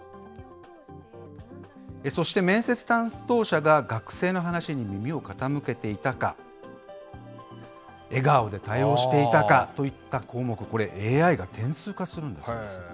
そして面接担当者が学生の話に耳を傾けていたか、笑顔で対応していたかといった項目、これ、ＡＩが点数化するんだそうです。